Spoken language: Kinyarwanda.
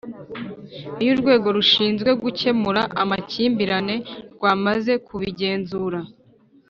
Iyo Urwego rushinzwe gukemura amakimbirane rwamaze kubigenzura